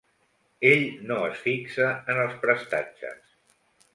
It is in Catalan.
Ell no es fixa en els prestatges.